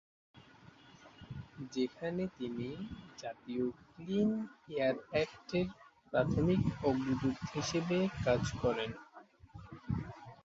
যেখানে তিনি জাতীয় ক্লিন এয়ার এক্ট এর প্রাথমিক অগ্রদূত হিসেবে কাজ করেন।